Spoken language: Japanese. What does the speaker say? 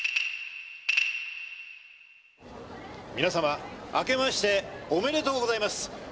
皆様明けましておめでとうございます。